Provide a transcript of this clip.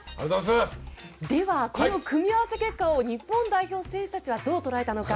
ではこの組み合わせ結果を日本代表選手たちはどう捉えたのか。